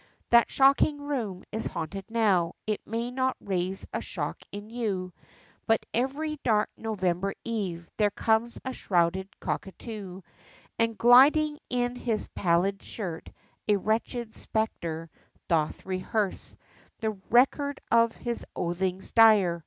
That shocking room is haunted now; it may not raise a shock in you, But every dark November eve, there comes a shrouded cockatoo, And gliding in his pallid shirt, a wretched spectre doth rehearse, The record of his oathings dire!